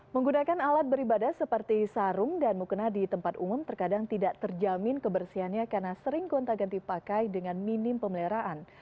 menggunakan alat beribadah seperti sarung dan mukena di tempat umum terkadang tidak terjamin kebersihannya karena sering gonta ganti pakai dengan minim pemeliharaan